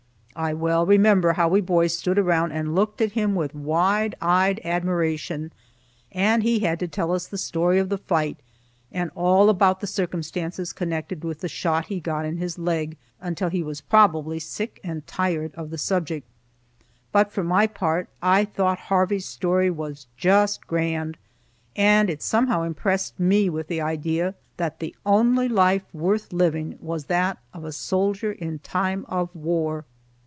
I well remember how we boys stood around and looked at him with wide eyed admiration. And he had to tell us the story of the fight, and all about the circumstances connected with the shot he got in his leg, until he probably was sick and tired of the subject. But, for my part, I thought Harvey's story was just grand, and it somehow impressed me with the idea that the only life worth living was that of a soldier in time of war.